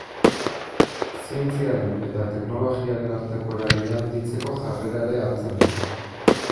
Zientziaren eta teknologiaren arteko eragina handitzeko jarrera ere hartzen du.